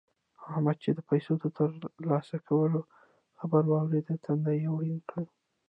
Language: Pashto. احمد چې د پيسو د تر لاسه کولو خبره واورېده؛ تندی يې ورين کړ.